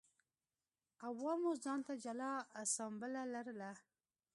عوامو ځان ته جلا اسامبله لرله.